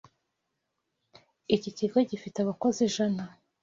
Iki kigo gifite abakozi ijana.